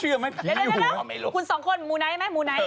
เหลือเดี๋ยวคุณสองคนกับเมื๊อหน้าไหม